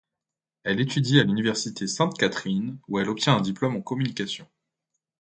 Elle étudie à l'université Sainte-Catherine où elle obtient un diplôme en communication.